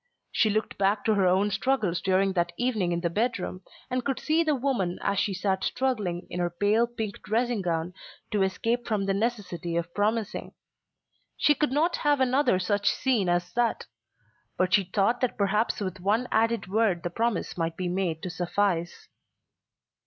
She looked back to her own struggles during that evening in the bedroom, and could see the woman as she sat struggling, in her pale pink dressing gown, to escape from the necessity of promising. She could not have another such scene as that. But she thought that perhaps with one added word the promise might be made to suffice.